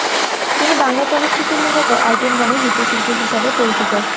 তিনি বাংলা চলচ্চিত্রে মূলত আইটেম গানে নৃত্যশিল্পী হিসাবে পরিচিত।